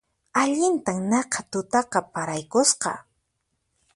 Allintan naqha tutaqa paraykusqa